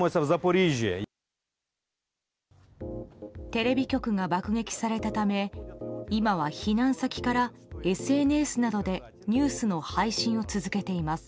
テレビ局が爆撃されたため今は避難先からＳＮＳなどでニュースの配信を続けています。